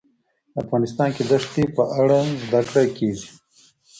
افغانستان کې د ښتې په اړه زده کړه کېږي.